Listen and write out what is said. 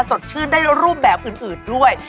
สดชื่นได้รูปแบบอื่นด้วย